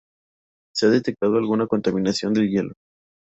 Se ha detectado alguna contaminación del hielo.